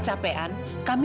saya meminta riz